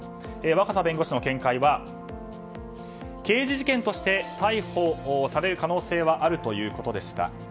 若狭弁護士の見解は刑事事件として逮捕される可能性はあるということでした。